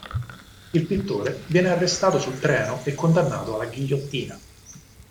Il pittore viene arrestato sul treno e condannato alla ghigliottina.